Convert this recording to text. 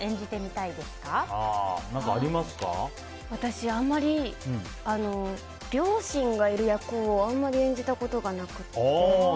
私、両親がいる役をあんまり演じたことがなくて。